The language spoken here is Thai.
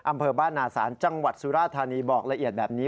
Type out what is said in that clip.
อำเภอบ้านนาศาลจังหวัดสุราธานีบอกละเอียดแบบนี้